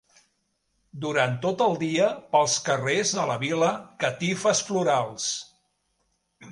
Durant tot el dia, pels carrers de la vila, catifes florals.